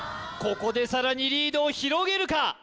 ここでさらにリードを広げるか？